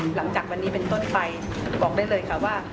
หลังจากวันนี้เป็นต้นไปบอกได้เลยค่ะว่า